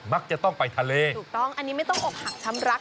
มักจะต้องไปทะเลถูกต้องอันนี้ไม่ต้องอกหักช้ำรัก